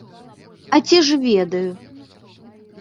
А ці ж ведаю?